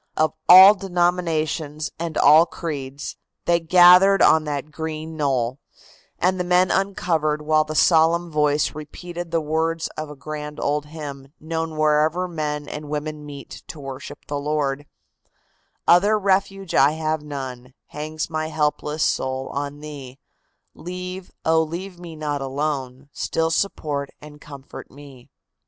Of all denominations and all creeds, they gathered on that green knoll, and the men uncovered while the solemn voice repeated the words of a grand old hymn, known wherever men and women meet to worship the Lord: "Other refuge have I none, hangs my helpless soul on Thee; Leave, oh, leave me not alone, still support and comfort me!"